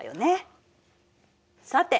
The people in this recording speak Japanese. さて！